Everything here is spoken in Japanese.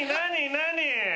何？